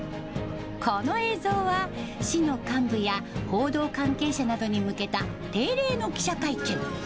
この映像は、市の幹部や、報道関係者などに向けた定例の記者会見。